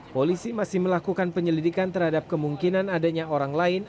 polisi masih melakukan penyelidikan terhadap kemungkinan adanya orang lain